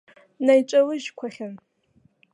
Наиҿалыжьқәахьан.